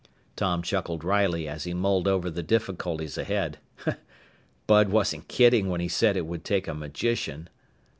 Tom chuckled wryly as he mulled over the difficulties ahead. "Bud wasn't kidding when he said it would take a magician!"